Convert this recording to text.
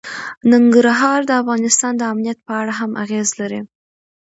ننګرهار د افغانستان د امنیت په اړه هم اغېز لري.